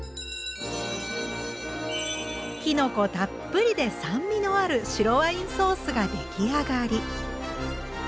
きのこたっぷりで酸味のある白ワインソースが出来上がり。